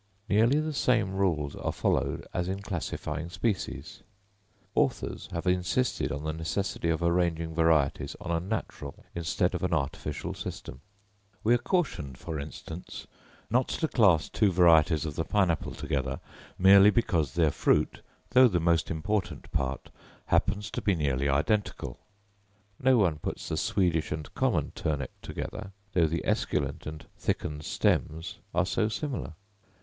Nearly the same rules are followed as in classifying species. Authors have insisted on the necessity of arranging varieties on a natural instead of an artificial system; we are cautioned, for instance, not to class two varieties of the pine apple together, merely because their fruit, though the most important part, happens to be nearly identical; no one puts the Swedish and common turnip together, though the esculent and thickened stems are so similar.